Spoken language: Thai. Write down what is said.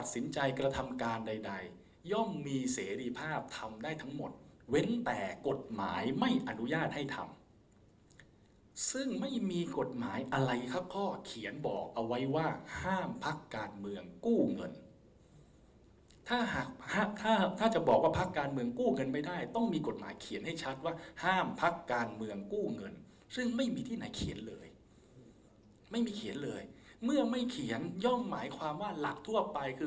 สินใจกระทำการใดย่อมมีเสรีภาพทำได้ทั้งหมดเว้นแต่กฎหมายไม่อนุญาตให้ทำซึ่งไม่มีกฎหมายอะไรครับข้อเขียนบอกเอาไว้ว่าห้ามพักการเมืองกู้เงินถ้าหากถ้าถ้าจะบอกว่าพักการเมืองกู้เงินไม่ได้ต้องมีกฎหมายเขียนให้ชัดว่าห้ามพักการเมืองกู้เงินซึ่งไม่มีที่ไหนเขียนเลยไม่มีเขียนเลยเมื่อไม่เขียนย่อมหมายความว่าหลักทั่วไปคือ